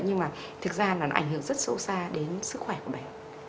nhưng mà thực ra là nó ảnh hưởng rất sâu xa đến sức khỏe của mình